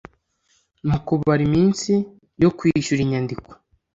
mu kubara iminsi yo kwishyura inyandiko